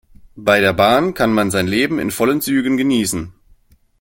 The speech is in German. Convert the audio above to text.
Bei der Bahn kann man sein Leben in vollen Zügen genießen.